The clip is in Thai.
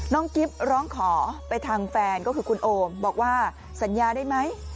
กิ๊บร้องขอไปทางแฟนก็คือคุณโอมบอกว่าสัญญาได้ไหม